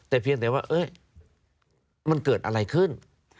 แต่เพียงแต่ว่ามันเกิดอะไรขึ้น